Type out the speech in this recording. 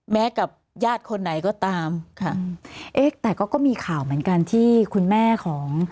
กับญาติคนไหนก็ตามค่ะเอ๊ะแต่ก็ก็มีข่าวเหมือนกันที่คุณแม่ของ